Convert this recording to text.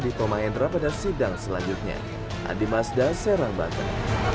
di tomahendra pada sidang selanjutnya adi mazda serang batak